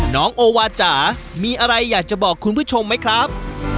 น้องโอวาจ๋ามีอะไรอยากจะบอกคุณผู้ชมไหมครับ